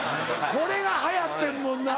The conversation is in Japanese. これが流行ってんもんな。